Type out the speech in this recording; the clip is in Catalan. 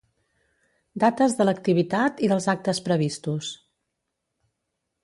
Dates de l'activitat i dels actes previstos.